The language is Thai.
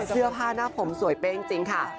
เสื้อผ้าหน้าผมสวยเป๊ะจริงค่ะ